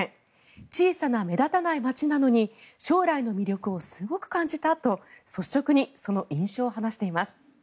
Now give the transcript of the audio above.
小さな目立たない街なのに将来の魅力をすごく感じたと率直にその印象を話しています。